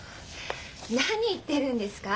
何言ってるんですか？